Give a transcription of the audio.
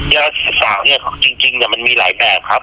เยอร์๑๓เนี่ยจริงเนี่ยมันมีหลายแปรครับ